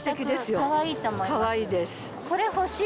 かわいいと思います。